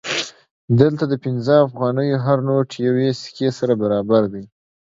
دلته د پنځه افغانیو هر نوټ یوې سکې سره برابر دی